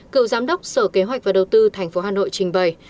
cựu giám đốc sở kế hoạch và đầu tư tp hà nội nguyễn văn tứ cho biết